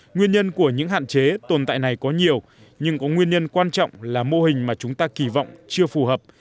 nguyên nhân của những hạn chế tồn tại này có nhiều nhưng có nguyên nhân quan trọng là mô hình mà chúng ta kỳ vọng chưa phù hợp